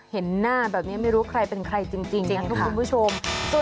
เห็นหน้าแบบนี้ไม่รู้ใครเป็นใครจริงนะครับคุณผู้ชม